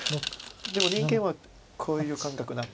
でも人間はこういう感覚ない。